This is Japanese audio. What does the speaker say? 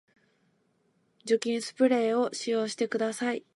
除菌スプレーを使用してください